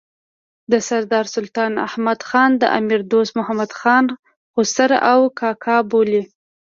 سردار سلطان احمد خان د امیر دوست محمد خان خسر او کاکا بولي.